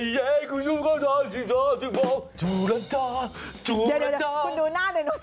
เดี๋ยวคุณดูหน้าเดินอุปสรรคมองคุณ